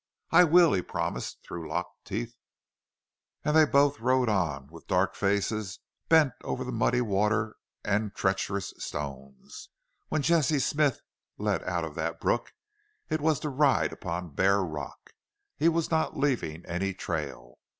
"I will!" he promised through locked teeth. And then they rode on, with dark, faces bent over the muddy water and treacherous stones. When Jesse Smith led out of that brook it was to ride upon bare rock. He was not leaving any trail.